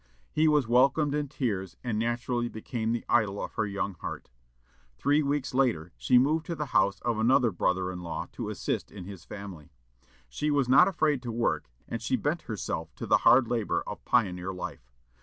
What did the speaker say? He was welcomed in tears, and naturally became the idol of her young heart. Three weeks later, she moved to the house of another brother in law to assist in his family. She was not afraid to work, and she bent herself to the hard labor of pioneer life.